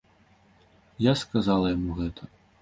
Я сказала яму гэта.